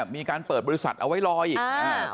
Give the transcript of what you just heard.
มีการเปิดบริษัทเอาไว้รออีกอ่า